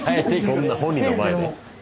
そんな本人の前で。